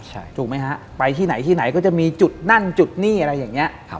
ถูกไหมฮะไปที่ไหนที่ไหนก็จะมีจุดนั่นจุดนี่อะไรอย่างนี้